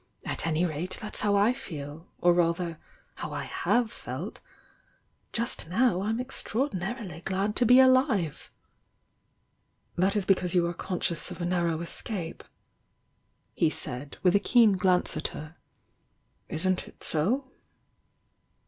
At any rate, that's how I feel— or, rather, how I have felt;— just now I'm extraor dinarily glad to be alive!" "That is because you are conscious of a narrow escape, he said, with a keen glance at her. "Isn't It BO?